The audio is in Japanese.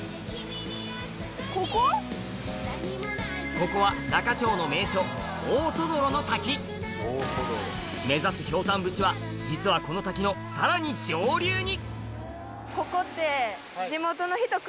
ここは那賀町の名所大轟の滝目指すひょうたん淵は実はこの滝のさらに上流に！